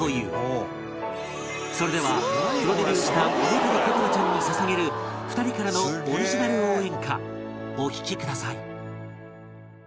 それではプロデビューした梅谷心愛ちゃんに捧げる２人からのオリジナル応援歌お聴きください